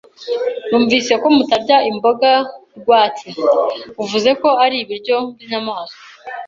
Numvise ko mutarya imboga rwatsi. Uvuze ko ari ibiryo byinyamaswa.